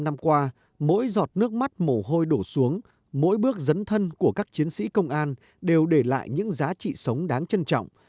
bảy mươi năm năm qua mỗi giọt nước mắt mồ hôi đổ xuống mỗi bước dấn thân của các chiến sĩ công an đều để lại những giá trị sống đáng trân trọng